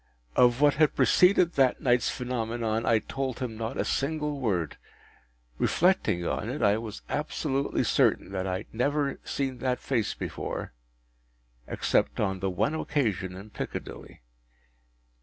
Of what had preceded that night’s phenomenon, I told him not a single word. Reflecting on it, I was absolutely certain that I had never seen that face before, except on the one occasion in Piccadilly.